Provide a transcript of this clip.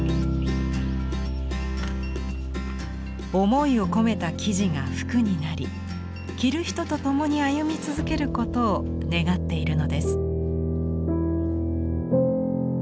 思いを込めた生地が服になり着る人と共に歩み続けることを願っているのです。